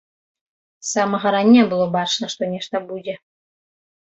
З самага рання было бачна, што нешта будзе.